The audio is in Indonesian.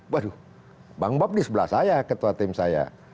waduh bang bob di sebelah saya ketua tim saya